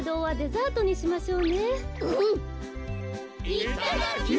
・いっただきます！